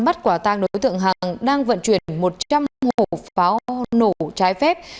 bắt quả tăng đối tượng hằng đang vận chuyển một trăm linh hồ pháo nổ trái phép